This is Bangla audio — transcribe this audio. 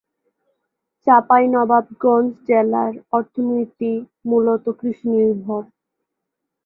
চাঁপাইনবাবগঞ্জ জেলার অর্থনীতি মূলত কৃষি নির্ভর।